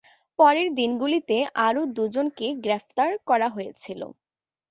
পরের দিনগুলিতে আরও দু'জনকে গ্রেপ্তার করা হয়েছিল।